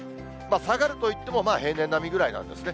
下がるといっても平年並みぐらいなんですね。